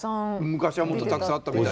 昔はもっとたくさんあったみたいで。